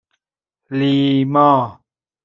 لیما